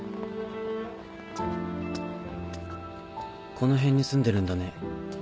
この辺に住んでるんだね。